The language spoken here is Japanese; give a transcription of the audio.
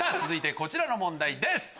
続いてこちらの問題です！